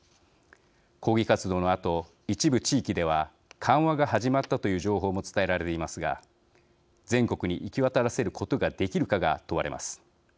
抗議活動のあと、一部地域では緩和が始まったという情報も伝えられていますが全国に行きわたらせることができるかが問われます。